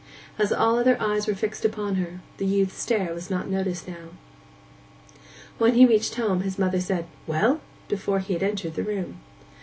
As all other eyes were fixed upon her, the youth's stare was not noticed now. When he reached home his mother said, 'Well?' before he had entered the room.